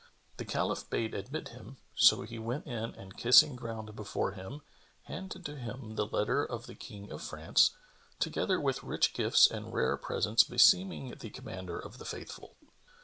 The Caliph bade admit him; so he went in and kissing ground before him, handed to him the letter of the King of France, together with rich gifts and rare presents beseeming the Commander of the Faithful.